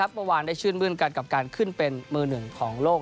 เมื่อวานได้ชื่นมื้นกันกับการขึ้นเป็นมือหนึ่งของโลก